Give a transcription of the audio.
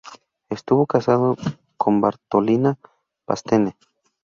Estuvo casado con Bartolina Pastene.